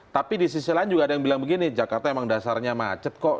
tapi di sisi lain juga ada yang bilang begini jakarta emang dasarnya macet kok